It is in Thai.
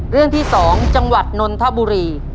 เพื่อชิงทุนต่อชีวิตสูงสุด๑ล้านบาท